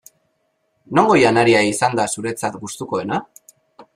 Nongo janaria izan da zuretzat gustukoena?